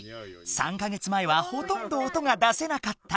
３か月前はほとんど音が出せなかった。